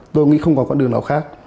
tôi nghĩ không còn con đường nào khác